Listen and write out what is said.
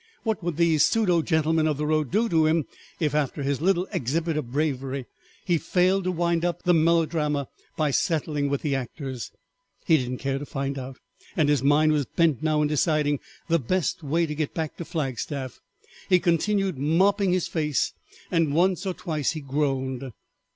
What would these pseudo gentlemen of the road do to him, if, after his little exhibit of bravery, he failed to wind up the melodrama by settling with the actors? He didn't care to find out, and his mind was bent now in deciding the best way to get back to Flagstaff. He continued mopping his face, and once or twice he groaned.